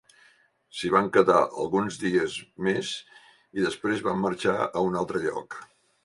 S'hi van quedar alguns dies més i després van marxar a un altre lloc.